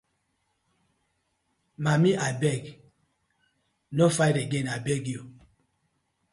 Maymay abeg no fight again abeg yu.